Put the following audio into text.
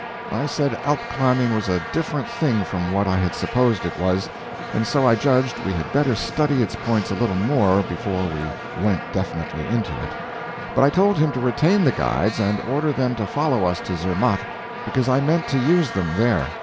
I said Alp climbing was a different thing from what I had supposed it was, and so I judged we had better study its points a little more before we went definitely into it. But I told him to retain the guides and order them to follow us to Zermatt, because I meant to use them there.